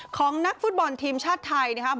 ของนักฟุตบอลทีมชาติไทยนะครับ